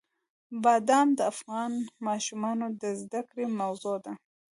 بادام د افغان ماشومانو د زده کړې موضوع ده.